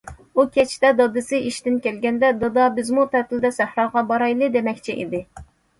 ئۇ كەچتە دادىسى ئىشتىن كەلگەندە« دادا بىزمۇ تەتىلدە سەھراغا بارايلى» دېمەكچى ئىدى.